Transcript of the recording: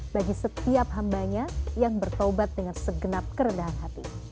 bagi setiap hambanya yang bertobat dengan segenap kerendahan hati